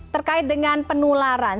terkait dengan penularan